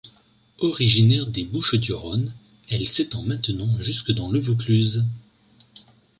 Originaire des Bouches-du-Rhône, elle s'étend maintenant jusque dans le Vaucluse.